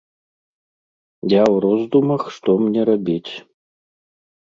Я ў роздумах, што мне рабіць.